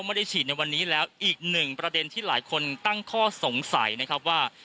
ไม่ได้ฉีดในวันนี้แล้วอีกหนึ่งประเด็นที่หลายคนตั้งข้อสงสัยนะครับว่า